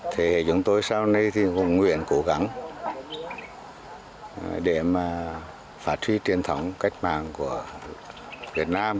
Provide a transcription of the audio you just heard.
thế chúng tôi sau này thì nguyện cố gắng để mà phát huy truyền thống cách mạng của việt nam